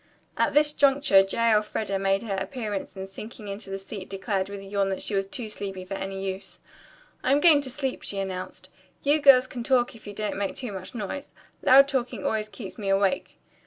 At this juncture J. Elfreda made her appearance and sinking into the seat declared with a yawn that she was too sleepy for any use. "I'm going to sleep," she announced. "You girls can talk if you don't make too much noise. Loud talking always keeps me awake.